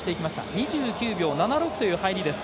２９秒７６という入り。